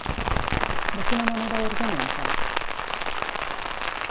De quina manera ho argumenta?